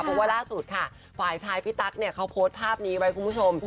เพราะว่าล่าสุดค่ะฝ่ายชายพี่ตั๊กเนี่ยเขาโพสต์ภาพนี้ไว้คุณผู้ชม